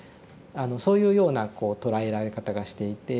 そういうようなこう捉えられ方がしていて。